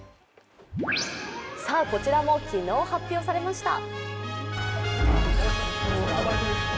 こちらも昨日発表されました。